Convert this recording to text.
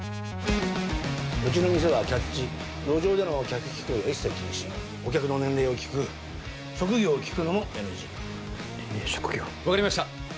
・うちの店はキャッチ路上での客引き行為は一切禁止お客の年齢を聞く職業を聞くのもＮＧ年齢職業分かりました